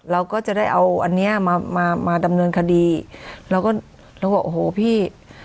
เราก็จะได้เอาอันเนี้ยมามาดำเนินคดีเราก็เราก็โอ้โหพี่